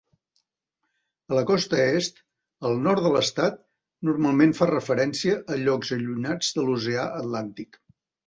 A la costa est, "al nord de l'estat" normalment fa referència a llocs allunyats de l'oceà Atlàntic.